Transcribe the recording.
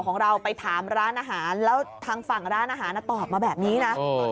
ของเราไปถามร้านอาหารแล้วทางฝั่งร้านอาหารตอบมาแบบนี้นะ